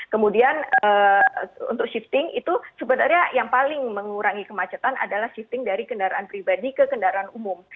kemudian untuk shifting itu sebenarnya yang paling mengurangi kemacetan adalah shifting dari kendaraan pribadi ke kendaraan umum